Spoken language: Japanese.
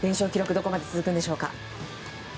どこまで続くでしょうか。